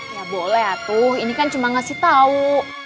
ya boleh atung ini kan cuma ngasih tau